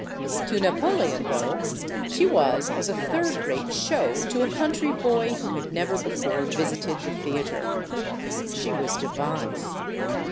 To Napoleon, though, she was as a third rate show to a country boy who had never before visited the theatre. She was divine.